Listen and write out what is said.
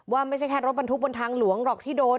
ไม่ใช่แค่รถบรรทุกบนทางหลวงหรอกที่โดน